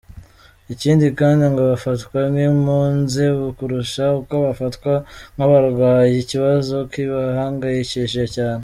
Ikindi kandi ngo bafatwa nk’impunzi kurusha uko bafatwa nk’abarwayi; ikibazo kibahangayishije cyane.